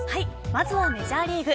まずはメジャーリーグ。